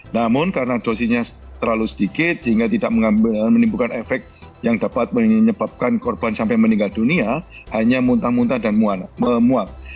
namun karena dosisnya terlalu sedikit sehingga tidak menimbulkan efek yang dapat menyebabkan korban sampai meninggal dunia hanya muntah muntah dan memuap